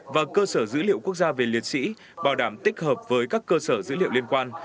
và cơ sở dữ liệu quốc gia về liệt sĩ bảo đảm tích hợp với các cơ sở dữ liệu liên quan